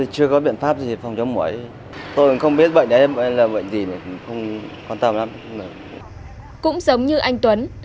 cũng giống như anh tuấn